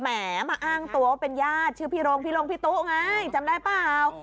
แหมมาอ้างตัวว่าเป็นญาติชื่อพี่โรงพี่โรงพี่ตู้ไงจำได้เปล่า